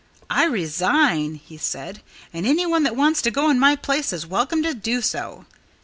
"I resign," he said, "and anyone that wants to go in my place is welcome to do so."